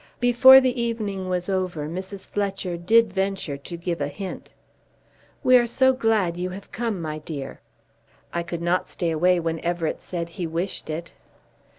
Before the evening was over Mrs. Fletcher did venture to give a hint. "We are so glad you have come, my dear." "I could not stay away when Everett said he wished it."